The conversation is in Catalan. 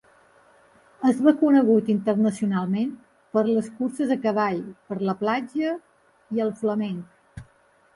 És reconegut internacionalment per les curses a cavall per la platja i el flamenc.